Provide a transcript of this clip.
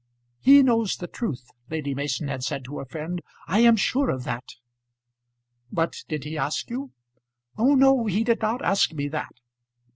"He knows the truth!" Lady Mason had said to her friend. "I am sure of that." "But did he ask you?" "Oh, no, he did not ask me that.